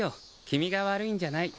君が悪いんじゃない。